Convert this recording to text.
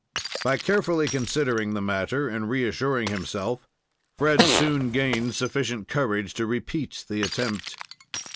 By carefully considering the matter and reassuring himself, Fred soon gained sufficient courage to repeat the attempt.